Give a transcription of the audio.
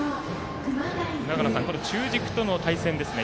中軸との対戦ですね